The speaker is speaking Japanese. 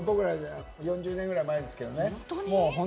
４０年ぐらい前ですけれどもね。